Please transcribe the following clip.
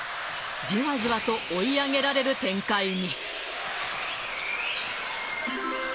じわじわと追い上げられる展開に。